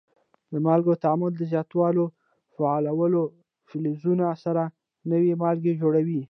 د مالګو تعامل د زیاتو فعالو فلزونو سره نوي مالګې جوړوي.